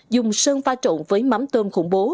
dùng sơn pha trộn với mắm tôm khủng bố